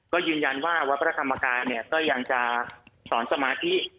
ก็ยืนยันว่าวัพพระคำการณ์ก็ยังจะสอนสมาธิ